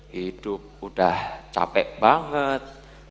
hidup udah capek banget